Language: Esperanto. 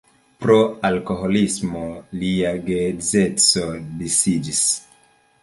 Pro alkoholismo lia geedzeco disiĝis.